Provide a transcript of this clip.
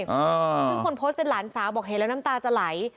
ซึ่งคนโพสต์เป็นหลานสาวบอกเห็นแล้วน้ำตาจะไหล